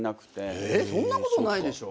えっそんなことないでしょ？